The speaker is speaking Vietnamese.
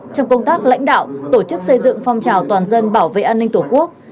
trong công tác lãnh đạo tổ chức xây dựng phong trào toàn dân bảo vệ an ninh tổ quốc